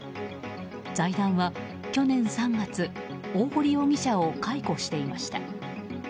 財団は去年３月大堀容疑者を解雇していました。